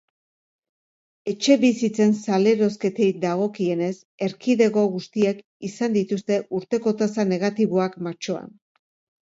Etxebizitzen salerosketei dagokienez, erkidego guztiek izan dituzte urteko tasa negatiboak martxoan.